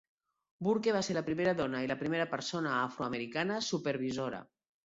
Burke va ser la primera dona i la primera persona afroamericana supervisora.